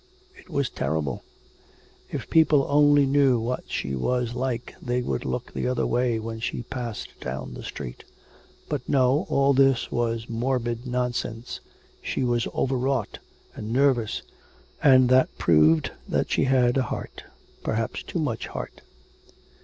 It was terrible; if people only knew what she was like they would look the other way when she passed down the street.... But, no, all this was morbid nonsense; she was overwrought, and nervous, and that proved that she had a heart. Perhaps too much heart.